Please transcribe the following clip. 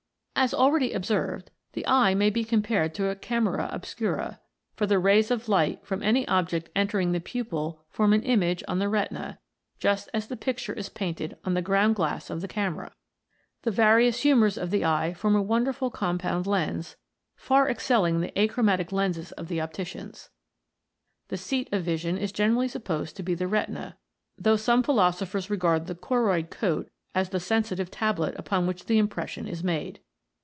As already observed, the eye may be compared to a camera obscura, for the rays of light from any object entering the pupil form an image on the retina, just as the picture is painted on the ground glass of the camera. The various humours of the eye form a wonderful compound lens, far excelling the achromatic lenses of the opticians. The seat of vision is generally supposed to be the retina, though some philosophers regard the choroid coat as the sensitive tablet upon which the impres sion is made.